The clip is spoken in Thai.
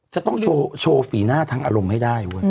จะต้องโชว์ฝีหน้าทั้งอารมณ์ให้ได้เว้ย